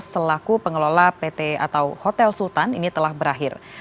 selaku pengelola pt atau hotel sultan ini telah berakhir